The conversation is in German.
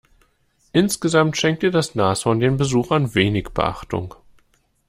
Insgesamt schenkte das Nashorn den Besuchern wenig Beachtung.